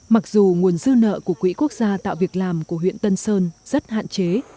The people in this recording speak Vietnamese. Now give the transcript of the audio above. mặc dù nguồn dư nợ của quỹ quốc gia tạo việc làm của huyện tân sơn rất hạn chế